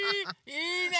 いいね！